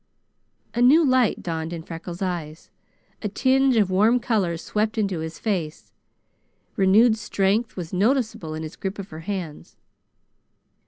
A new light dawned in Freckles' eyes. A tinge of warm color swept into his face. Renewed strength was noticeable in his grip of her hands.